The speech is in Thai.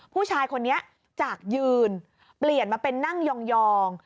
ผู้ชายคนนี้จากยืนเปลี่ยนมาเป็นนั่งยอง